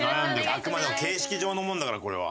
あくまでも形式上のものだからこれは。